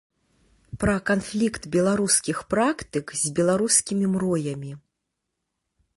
Пра канфлікт беларускіх практык з беларускімі мроямі.